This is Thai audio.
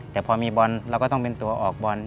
แต่พอมีบอลเราก็ต้องเป็นตัวออกบอล